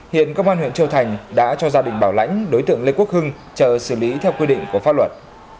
hiện công an huyện châu thành đã cho gia đình bảo lãnh đối tượng lê quốc hưng chờ xử lý theo quy định của pháp luật